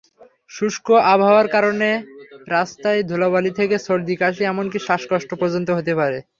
শুষ্ক আবহাওয়ার কারণে রাস্তার ধুলোবালি থেকে সর্দি, কাশি এমনকি শ্বাসকষ্ট পর্যন্ত হতে পারে।